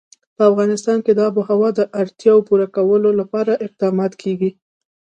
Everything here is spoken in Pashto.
په افغانستان کې د آب وهوا د اړتیاوو پوره کولو لپاره اقدامات کېږي.